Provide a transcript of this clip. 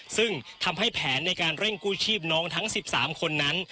ซึ่งทำให้แผนในการเร่งกู้ชีพน้องทั้ง๑๓คนนั้น